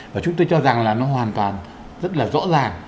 và chúng tôi cho rằng là nó hoàn toàn rất là rõ ràng